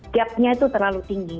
tiapnya itu terlalu tinggi